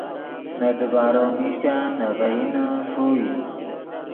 نے دیبارو میشن نے ڤئینے ݰوئے